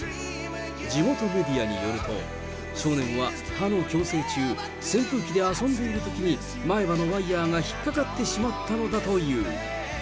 地元メディアによると、少年は歯の矯正中、扇風機で遊んでいるときに、前歯のワイヤが引っ掛かってしまったのだという。